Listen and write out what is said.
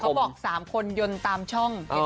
เขาบอก๓คนยนต์ตามช่อง